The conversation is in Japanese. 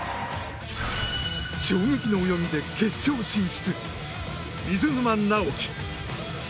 衝撃の泳ぎで決勝進出水沼尚輝。